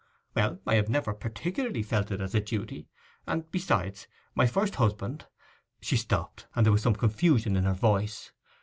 'Well, I have never particularly felt it as a duty; and, besides, my first husband—' She stopped, and there was some confusion in her voice.